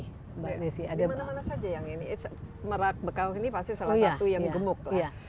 di mana mana saja yang ini merak bekau ini pasti salah satu yang gemuk lah